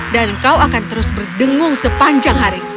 dan kau akan terus berdengung sepanjang hari